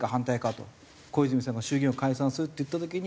小泉さんが「衆議院を解散する」って言った時に。